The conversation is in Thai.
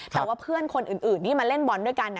แต่ว่าเพื่อนคนอื่นที่มาเล่นบอลด้วยกัน